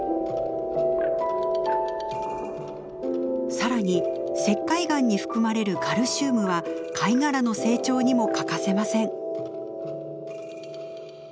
さらに石灰岩に含まれるカルシウムは貝殻の成長にも欠かせません。